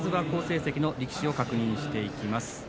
好成績の力士を確認していきます。